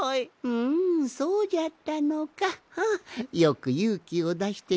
んんそうじゃったのか。